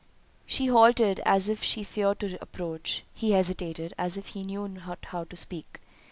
She halted, as if she feared to approach—he hesitated, as if he knew not how to speak.